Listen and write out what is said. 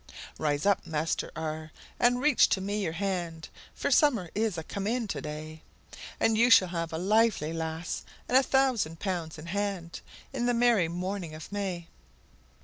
Rise up Master , and reach to me your hand, For summer is a come in to day; And you shall have a lively lass, and a thousand pounds in hand, In the merry morning of May!